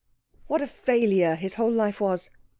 What a failure his whole life was.